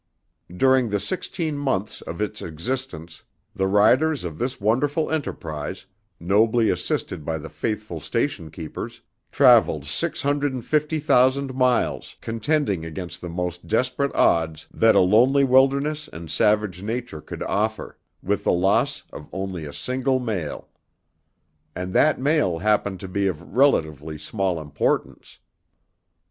During the sixteen months of its existence, the riders of this wonderful enterprise, nobly assisted by the faithful station keepers, travelled six hundred and fifty thousand miles, contending against the most desperate odds that a lonely wilderness and savage nature could offer, with the loss of only a single mail. And that mail happened to be of relatively small importance.